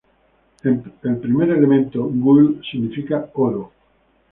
El primer elemento, "Gull" significa "oro".